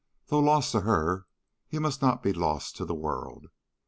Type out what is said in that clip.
Though lost to her, he must not be lost to the world.